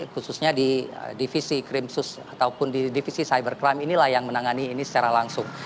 khususnya di divisi krimsus ataupun di divisi cybercrime inilah yang menangani ini secara langsung